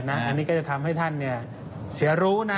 อันนี้ก็จะทำให้ท่านเสียรู้นะ